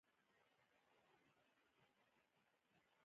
ورنیز کالیپر له ډېر فشار ورکولو، ضرب ورکولو او غورځولو څخه وساتئ.